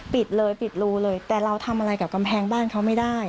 ปิดเลยปิดรูเลยแต่เราทำอะไรกับกำแพงบ้านเขาไม่ได้